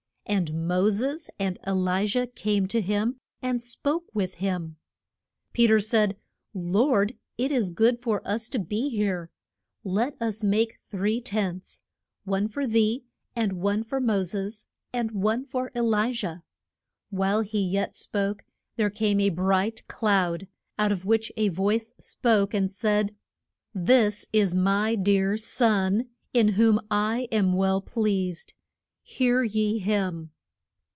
And Mo ses and E li jah came to him, and spoke with him. Pe ter said, Lord, it is good for us to be here. Let us make three tents, one for thee, and one for Mo ses, and one for E li jah. While he yet spoke there came a bright cloud, out of which a voice spoke and said, This is my dear Son, in whom I am well pleased. Hear ye him.